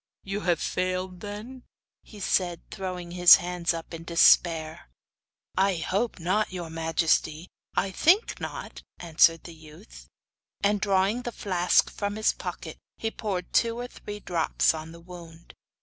'You have failed, then?' he said, throwing up his hands in despair. 'I hope not, your majesty; I think not,' answered the youth. And drawing the flask from his pocket, he poured two or three drops on the wound.